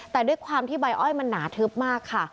แต่ด้วยความที่ใบอ้อยมันหนาทึบมากค่ะ